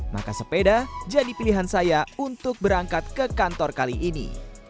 maka sepeda jadi pilihan saya untuk berangkat ke kantor kali ini